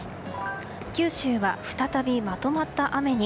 九州は再びまとまった雨に。